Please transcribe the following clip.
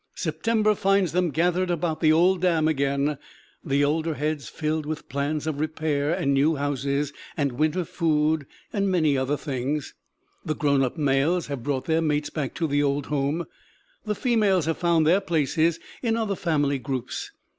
September finds them gathered about the old dam again, the older heads filled with plans of repair and new houses and winter food and many other things. The grown up males have brought their mates back to the old home; the females have found their places in other family groups.